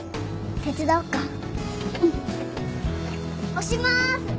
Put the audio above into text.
押します。